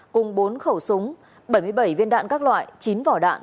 cùng bốn khẩu súng bảy mươi bảy viên đạn các loại chín vỏ đạn